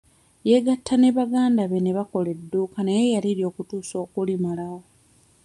Yeegatta ne baganda be ne bakola edduuka naye yalirya okutuusa okulimalawo.